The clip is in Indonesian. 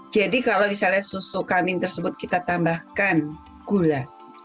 jadi kalau misalnya susu kambing tersebut kita tambahkan gula